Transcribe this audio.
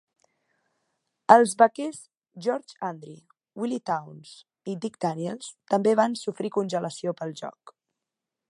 Els vaquers George Andrie, Willie Townes i Dick Daniels també van sofrir congelació pel joc.